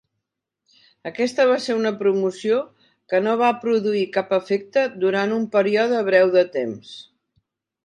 Aquesta va ser una promoció que no va produir cap efecte durant un període breu de temps.